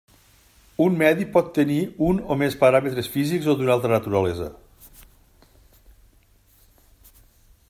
Un medi pot tenir un o més paràmetres, físics o d'una altra naturalesa.